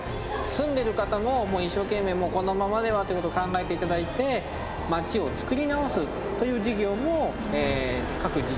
住んでる方ももう一生懸命もうこのままではっていうことを考えていただいて街を作り直すという事業も各自治体さんなどで行ってます。